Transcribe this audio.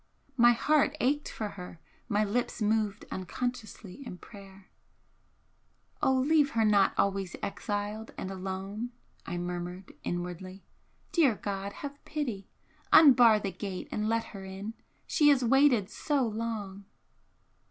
My heart ached for her my lips moved unconsciously in prayer: "O leave her not always exiled and alone!" I murmured, inwardly "Dear God, have pity! Unbar the gate and let her in! She has waited so long!"